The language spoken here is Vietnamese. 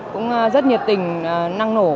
cũng rất nhiệt tình năng nổ